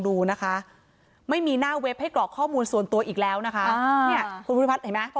ดูนะคะไม่มีหน้าเว็บให้กรอกข้อมูลส่วนตัวอีกแล้วนะคะพอ